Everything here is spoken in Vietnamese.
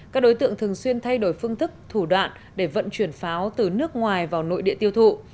các đối tượng thường xuyên thay đổi phương thức thủ đoạn để vận chuyển pháo từ nước ngoài vào nội địa tiêu thụ